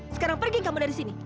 sekarang pergi kamu dari sini